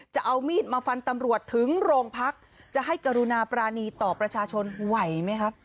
จะเอามีดมาฟันตำรวจถึงโรงพักจะให้กรุณาปรานีต่อประชาชนไหวไหมครับ